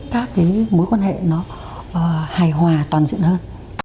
thế thì mối quan hệ nó hài hòa toàn diện hơn